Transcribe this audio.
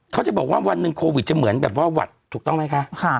เขาจะบอกว่าวันหนึ่งโควิดจะเหมือนแบบว่าหวัดถูกต้องไหมคะ